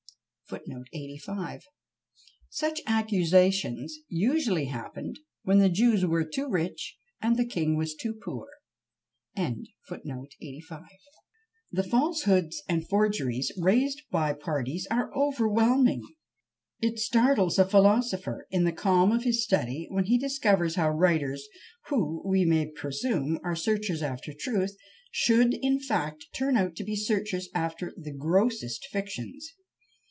Such accusations usually happened when the Jews were too rich and the king was too poor! The falsehoods and forgeries raised by parties are overwhelming! It startles a philosopher, in the calm of his study, when he discovers how writers, who, we may presume, are searchers after truth, should, in fact, turn out to be searchers after the grossest fictions.